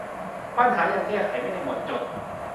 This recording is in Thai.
ปัญหายังแก้ไขไม่ได้หมดจด